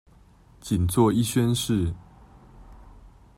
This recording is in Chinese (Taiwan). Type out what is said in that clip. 僅做一宣示